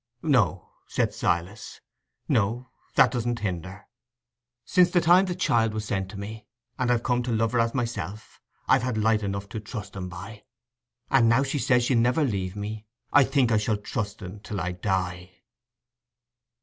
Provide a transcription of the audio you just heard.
"No," said Silas, "no; that doesn't hinder. Since the time the child was sent to me and I've come to love her as myself, I've had light enough to trusten by; and now she says she'll never leave me, I think I shall trusten till I die."